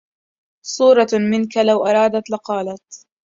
صورة منك لو أرادت لقالت